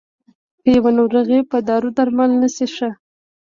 که يوه ناروغي په دارو درمل نه شي ښه.